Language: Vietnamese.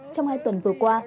trong hai tuần vừa qua